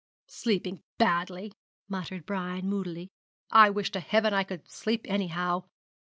'Sleeping badly!' muttered Brian moodily; 'I wish to Heaven I could sleep anyhow.